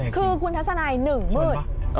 คือคุณทัศนายหนึ่งมืด